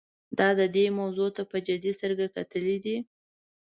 دا دې موضوع ته په جدي سترګه کتلي دي.